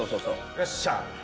よっしゃ！